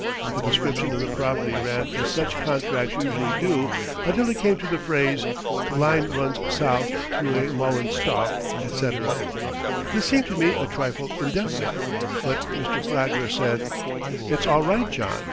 The description of the property ran as such contracts usually do until it came to the phrase "the line runs south to a mullen stalk," etc. This seemed to me a trifle indefinite, but Mr. Flagler said: "It's all right, John.